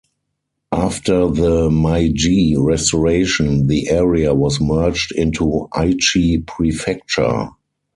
After the Meiji Restoration, the area was merged into Aichi Prefecture.